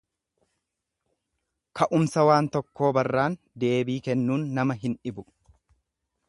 Ka'umsa waan tokkoo barraan deebii kennuun nama hin dhibu.